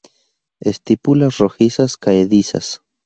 Estípulas rojizas, caedizas.